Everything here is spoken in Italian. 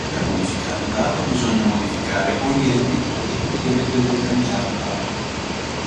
Per modificare un dato bisogna modificare ogni elemento che contiene quel determinato dato.